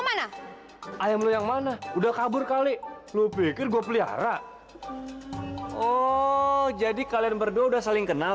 mana ayam lo yang mana udah kabur kali lo pikir gua pelihara oh jadi kalian berdua udah saling kenal